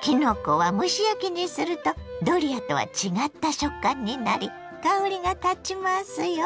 きのこは蒸し焼きにするとドリアとは違った食感になり香りがたちますよ。